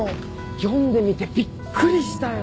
読んでみてびっくりしたよ！